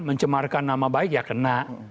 mencemarkan nama baik ya kena